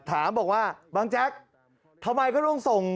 ถามบอกว่าบังแจ๊กทำไมก็ต้องส่ง